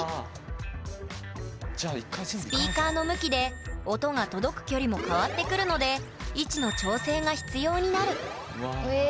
２スピーカーの向きで音が届く距離も変わってくるので位置の調整が必要になる。